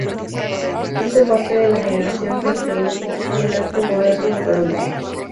Hizo parte de la generación que introdujo el arte moderno en Colombia.